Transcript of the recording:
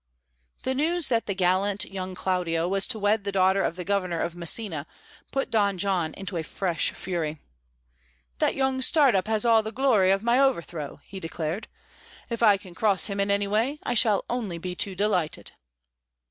The news that the gallant young Claudio was to wed the daughter of the Governor of Messina put Don John into a fresh fury. "That young start up has all the glory of my overthrow," he declared. "If I can cross him in any way, I shall only be too delighted."